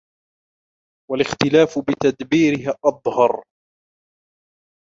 وَالِاخْتِلَافُ بِتَدْبِيرِهِ أَظْهَرَ